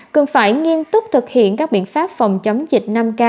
cần phải nghiêm túc thực hiện các biện pháp phòng chống dịch năm k